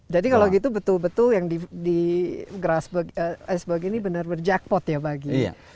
jadi kalau gitu betul betul yang di gerasbog ini benar benar jackpot ya bagi